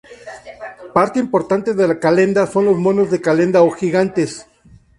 Parte importante de La calenda son los monos de calenda o gigantes.